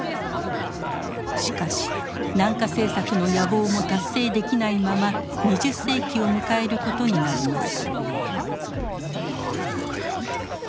しかし南下政策の野望も達成できないまま２０世紀を迎えることになります。